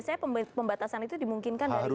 dan pembatasan itu dimungkinkan atau tidak sih